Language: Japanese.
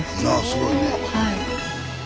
すごいね。